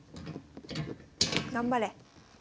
頑張れ。